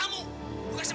porsel pria ayam